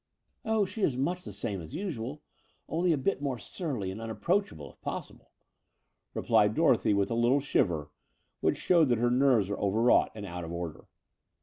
"Oh, she is much the same as usual, only a bit more surly and unapproachable, if possible," replied Dorothy, with a Uttle shiver, which showed that her nerves were overwrought and out of order.